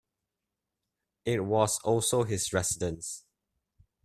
It was also his residence.